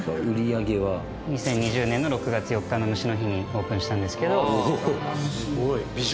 ２０２０年の６月４日の虫の日にオープンしたんですけど。